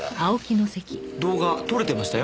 動画撮れてましたよ。